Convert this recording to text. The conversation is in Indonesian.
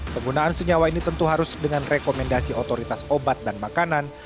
penggunaan senyawa ini tentu harus dengan rekomendasi otoritas obat dan makanan